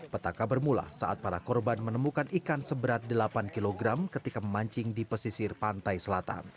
petaka bermula saat para korban menemukan ikan seberat delapan kg ketika memancing di pesisir pantai selatan